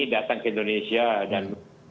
datang ke indonesia dan